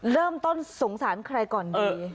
เริ่มต้นสงสารใครก่อนดี